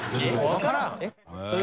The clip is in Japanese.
分からん」？